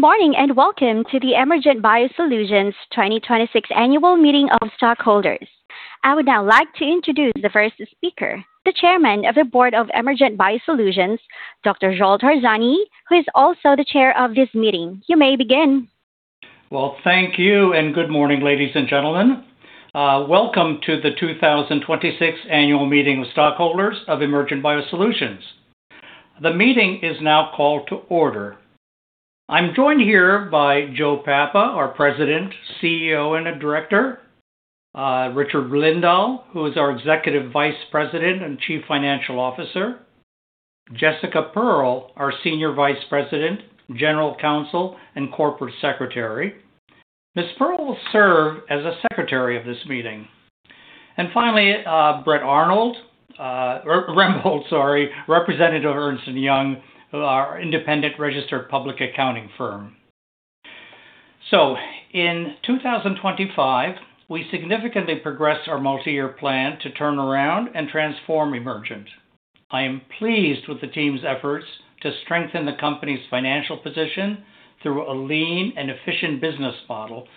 Morning and welcome to the Emergent BioSolutions 2026 Annual Meeting of Stockholders. I would now like to introduce the first speaker, the Chairman of the Board of Emergent BioSolutions, Dr. Zsolt Harsanyi, who is also the Chair of this meeting. You may begin. Well, thank you, and good morning, ladies and gentlemen. Welcome to the 2026 Annual Meeting of Stockholders of Emergent BioSolutions. The meeting is now called to order. I'm joined here by Joe Papa, our President, CEO, and a Director. Richard Lindahl, who is our Executive Vice President and Chief Financial Officer. Jessica Perl, our Senior Vice President, General Counsel, and Corporate Secretary. Ms. Perl will serve as the secretary of this meeting. Finally, Brett Rembold, Representative of Ernst & Young, our independent registered public accounting firm. In 2025, we significantly progressed our multi-year plan to turn around and transform Emergent. I am pleased with the team's efforts to strengthen the company's financial position through a lean and efficient business model,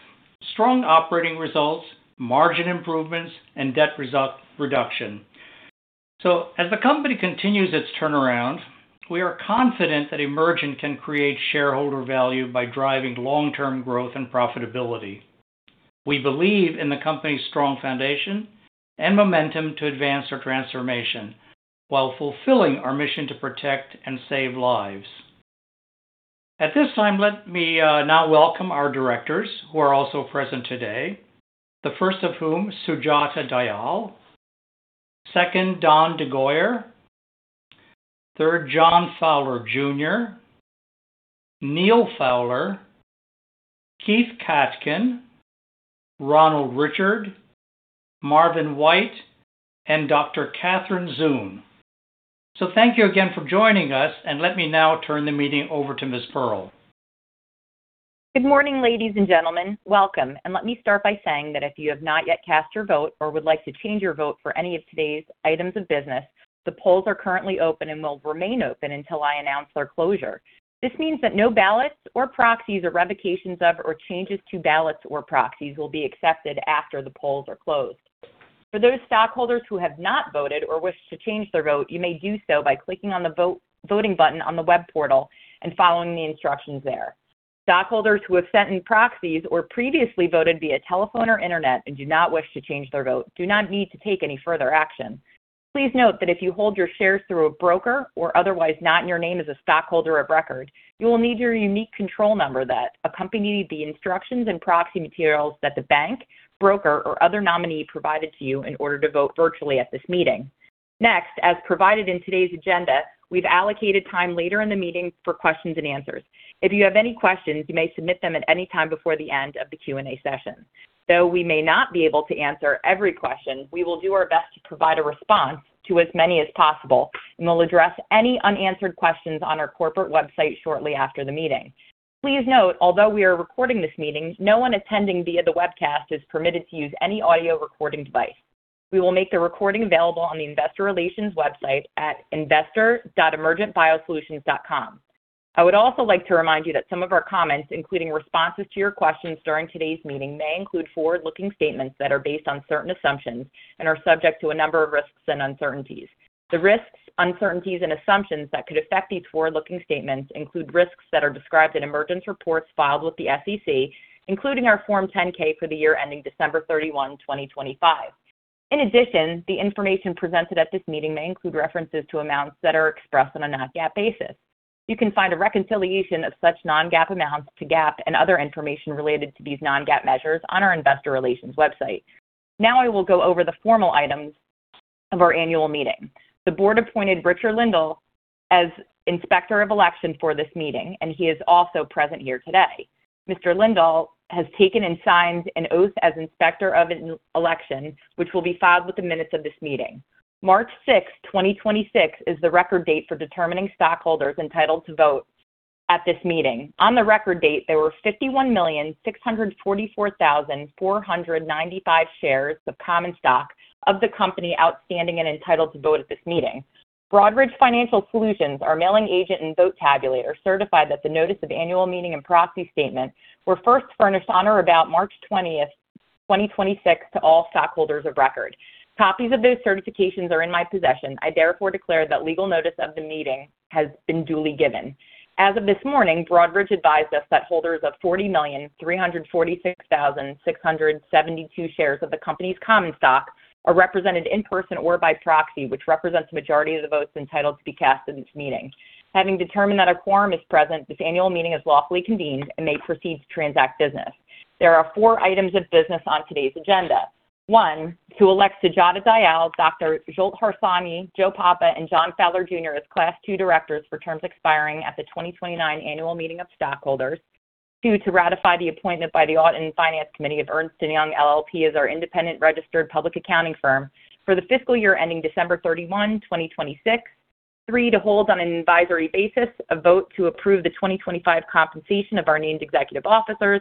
strong operating results, margin improvements, and debt reduction. As the company continues its turnaround, we are confident that Emergent can create shareholder value by driving long-term growth and profitability. We believe in the company's strong foundation and momentum to advance our transformation while fulfilling our mission to protect and save lives. At this time, let me now welcome our directors who are also present today. The first of whom, Sujata Dayal. Second, Don DeGolyer. Third, John D. Fowler, Jr., Neal Fowler, Keith Katkin, Ronald Richard, Marvin White, and Dr. Kathryn Zoon. Thank you again for joining us, and let me now turn the meeting over to Ms. Perl. Good morning, ladies and gentlemen. Welcome. Let me start by saying that if you have not yet cast your vote or would like to change your vote for any of today's items of business, the polls are currently open and will remain open until I announce their closure. This means that no ballots or proxies or revocations of, or changes to ballots or proxies will be accepted after the polls are closed. For those stockholders who have not voted or wish to change their vote, you may do so by clicking on the vote, voting button on the web portal and following the instructions there. Stockholders who have sent in proxies or previously voted via telephone or internet and do not wish to change their vote do not need to take any further action. Please note that if you hold your shares through a broker or otherwise not in your name as a stockholder of record, you will need your unique control number that accompanied the instructions and proxy materials that the bank, broker, or other nominee provided to you in order to vote virtually at this meeting. As provided in today's agenda, we've allocated time later in the meeting for questions and answers. If you have any questions, you may submit them at any time before the end of the Q&A session. We may not be able to answer every question, we will do our best to provide a response to as many as possible, and we'll address any unanswered questions on our corporate website shortly after the meeting. Please note, although we are recording this meeting, no one attending via the webcast is permitted to use any audio recording device. We will make the recording available on the investor relations website at investor.emergentbiosolutions.com. I would also like to remind you that some of our comments, including responses to your questions during today's meeting, may include forward-looking statements that are based on certain assumptions and are subject to a number of risks and uncertainties. The risks, uncertainties, and assumptions that could affect these forward-looking statements include risks that are described in Emergent's reports filed with the SEC, including our Form 10-K for the year ending December 31, 2025. In addition, the information presented at this meeting may include references to amounts that are expressed on a non-GAAP basis. You can find a reconciliation of such non-GAAP amounts to GAAP and other information related to these non-GAAP measures on our investor relations website. Now I will go over the formal items of our annual meeting. The board appointed Richard Lindahl as Inspector of Election for this meeting, and he is also present here today. Mr. Lindahl has taken and signed an oath as Inspector of an Election, which will be filed with the minutes of this meeting. March 6th, 2026, is the record date for determining stockholders entitled to vote at this meeting. On the record date, there were 51,644,495 shares of common stock of the company outstanding and entitled to vote at this meeting. Broadridge Financial Solutions, our mailing agent and vote tabulator, certified that the Notice of Annual Meeting and Proxy Statement were first furnished on or about March 20th, 2026, to all stockholders of record. Copies of those certifications are in my possession. I therefore declare that legal notice of the meeting has been duly given. As of this morning, Broadridge advised us that holders of 40,346,672 shares of the company's common stock are represented in person or by proxy, which represents the majority of the votes entitled to be cast in this meeting. Having determined that a quorum is present, this annual meeting is lawfully convened and may proceed to transact business. There are four items of business on today's agenda. One, To elect Sujata Dayal, Dr. Zsolt Harsanyi, Joseph Papa, and John D. Fowler, Jr. as Class II directors for terms expiring at the 2029 Annual Meeting of Stockholders. Two, To ratify the appointment by the Audit and Finance Committee of Ernst & Young LLP as our independent registered public accounting firm for the fiscal year ending December 31, 2026. Three, to hold on an advisory basis a vote to approve the 2025 compensation of our named executive officers.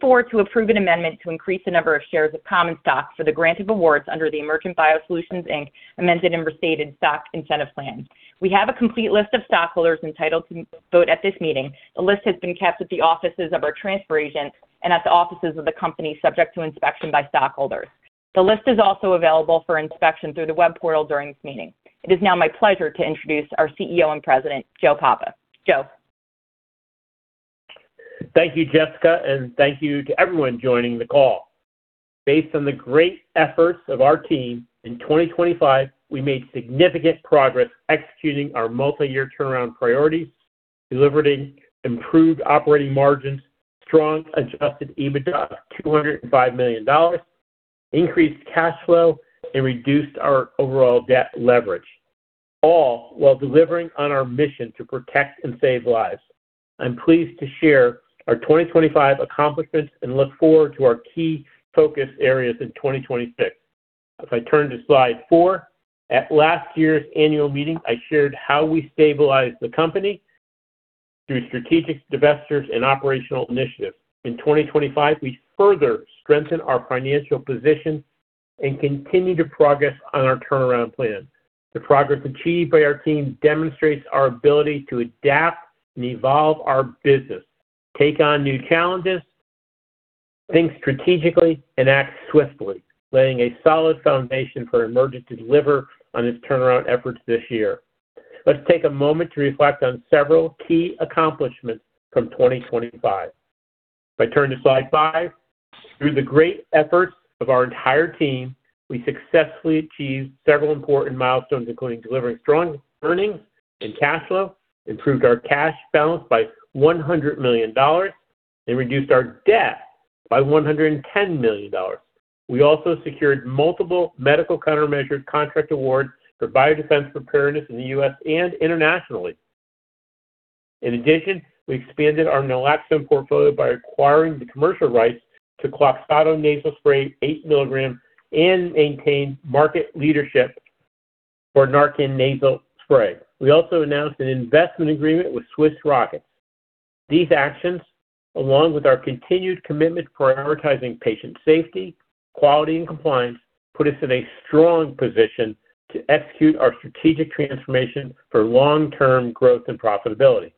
Four, to approve an amendment to increase the number of shares of common stock for the grant of awards under the Emergent BioSolutions Inc. Amended and Restated Stock Incentive Plan. We have a complete list of stockholders entitled to vote at this meeting. The list has been kept at the offices of our transfer agent and at the offices of the company subject to inspection by stockholders. The list is also available for inspection through the web portal during this meeting. It is now my pleasure to introduce our CEO and President, Joe Papa. Joe. Thank you, Jessica, and thank you to everyone joining the call. Based on the great efforts of our team, in 2025 we made significant progress executing our multi-year turnaround priorities, delivering improved operating margins, strong adjusted EBITDA of $205 million, increased cash flow, and reduced our overall debt leverage, all while delivering on our mission to protect and save lives. I'm pleased to share our 2025 accomplishments and look forward to our key focus areas in 2026. If I turn to slide four, at last year's annual meeting, I shared how we stabilized the company through strategic divestitures and operational initiatives. In 2025, we further strengthened our financial position and continued to progress on our turnaround plan. The progress achieved by our team demonstrates our ability to adapt and evolve our business, take on new challenges, think strategically and act swiftly, laying a solid foundation for Emergent to deliver on its turnaround efforts this year. Let's take a moment to reflect on several key accomplishments from 2025. If I turn to slide five. Through the great efforts of our entire team, we successfully achieved several important milestones, including delivering strong earnings and cash flow, improved our cash balance by $100 million, and reduced our debt by $110 million. We also secured multiple medical countermeasures contract awards for biodefense preparedness in the U.S. and internationally. In addition, we expanded our naloxone portfolio by acquiring the commercial rights to Kloxxado nasal spray, eight milligrams, and maintained market leadership for NARCAN nasal spray. We also announced an investment agreement with Swiss Rockets. These actions, along with our continued commitment to prioritizing patient safety, quality, and compliance, put us in a strong position to execute our strategic transformation for long-term growth and profitability.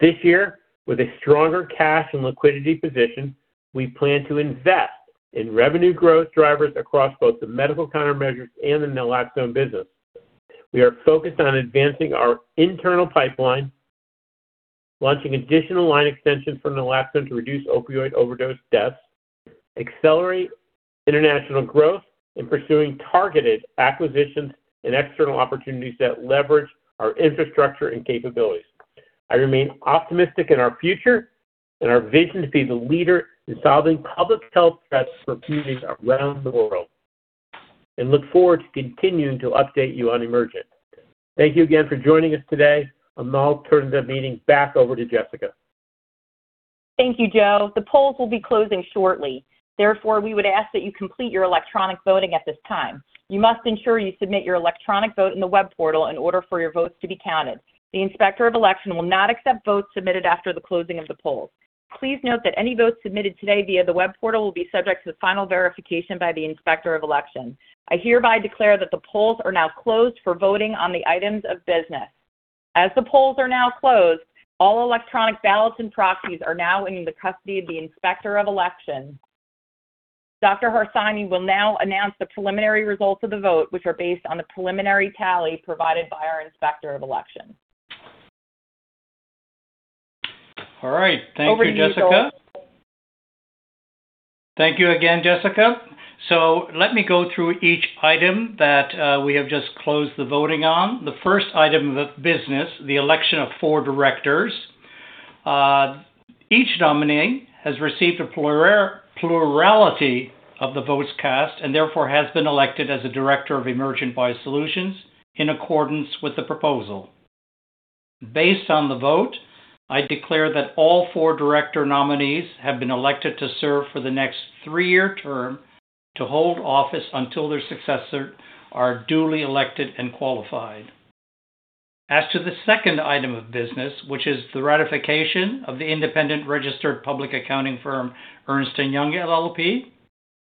This year, with a stronger cash and liquidity position, we plan to invest in revenue growth drivers across both the medical countermeasures and the naloxone business. We are focused on advancing our internal pipeline, launching additional line extensions for naloxone to reduce opioid overdose deaths, accelerate international growth, and pursuing targeted acquisitions and external opportunities that leverage our infrastructure and capabilities. I remain optimistic in our future and our vision to be the leader in solving public health threats for communities around the world and look forward to continuing to update you on Emergent. Thank you again for joining us today. I'll now turn the meeting back over to Jessica. Thank you, Joe. The polls will be closing shortly. We would ask that you complete your electronic voting at this time. You must ensure you submit your electronic vote in the web portal in order for your votes to be counted. The Inspector of Election will not accept votes submitted after the closing of the polls. Please note that any votes submitted today via the web portal will be subject to the final verification by the Inspector of Election. I hereby declare that the polls are now closed for voting on the items of business. The polls are now closed, all electronic ballots and proxies are now in the custody of the Inspector of Election. Dr. Harsanyi will now announce the preliminary results of the vote, which are based on the preliminary tally provided by our Inspector of Election. All right. Thank you, Jessica. Over to you, Zsolt. Thank you again, Jessica Perl. Let me go through each item that we have just closed the voting on. The first item of business, the election of four directors. Each nominee has received a plurality of the votes cast and therefore has been elected as a director of Emergent BioSolutions in accordance with the proposal. Based on the vote, I declare that all four director nominees have been elected to serve for the next three-year term to hold office until their successors are duly elected and qualified. As to the second item of business, which is the ratification of the independent registered public accounting firm, Ernst & Young LLP,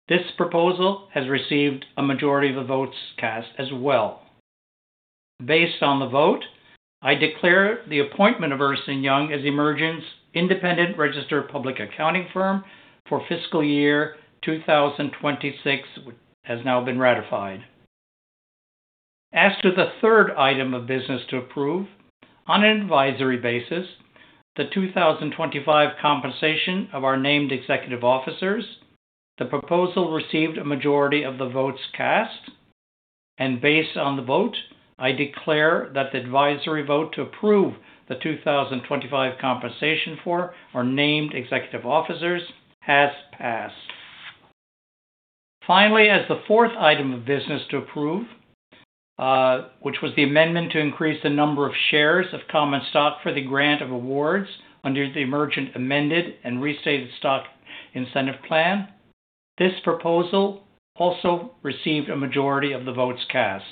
this proposal has received a majority of the votes cast as well. Based on the vote, I declare the appointment of Ernst & Young as Emergent's independent registered public accounting firm for fiscal year 2026 has now been ratified. As to the third item of business to approve, on an advisory basis, the 2025 compensation of our named executive officers, the proposal received a majority of the votes cast. Based on the vote, I declare that the advisory vote to approve the 2025 compensation for our named executive officers has passed. Finally, as the fourth item of business to approve, which was the amendment to increase the number of shares of common stock for the grant of awards under the Emergent Amended and Restated Stock Incentive Plan, this proposal also received a majority of the votes cast.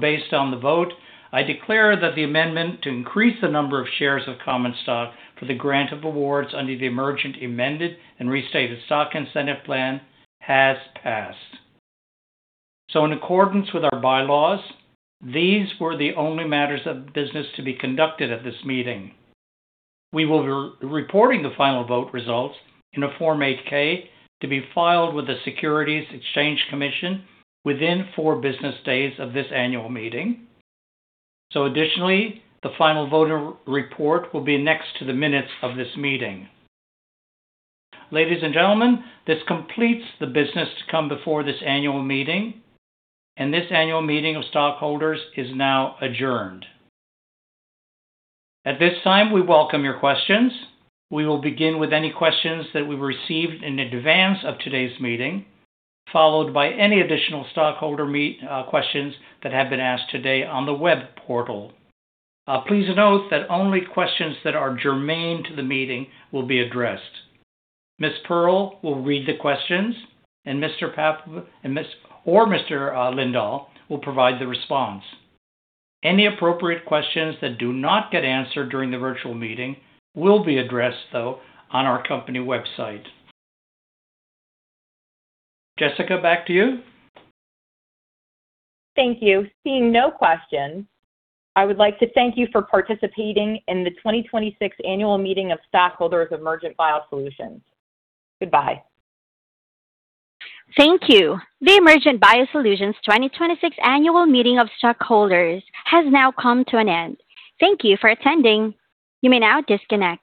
Based on the vote, I declare that the amendment to increase the number of shares of common stock for the grant of awards under the Emergent Amended and Restated Stock Incentive Plan has passed. In accordance with our bylaws, these were the only matters of business to be conducted at this meeting. We will be reporting the final vote results in a Form 8-K to be filed with the Securities and Exchange Commission within four business days of this annual meeting. Additionally, the final voter report will be annexed to the minutes of this meeting. Ladies and gentlemen, this completes the business to come before this annual meeting, and this annual meeting of stockholders is now adjourned. At this time, we welcome your questions. We will begin with any questions that we received in advance of today's meeting, followed by any additional stockholder questions that have been asked today on the web portal. Please note that only questions that are germane to the meeting will be addressed. Ms. Perl will read the questions, and Mr. Papa and Mr. Lindahl will provide the response. Any appropriate questions that do not get answered during the virtual meeting will be addressed, though, on our company website. Jessica, back to you. Thank you. Seeing no questions, I would like to thank you for participating in the 2026 Annual Meeting of Stockholders of Emergent BioSolutions. Goodbye. Thank you. The Emergent BioSolutions 2026 Annual Meeting of Stockholders has now come to an end. Thank you for attending. You may now disconnect.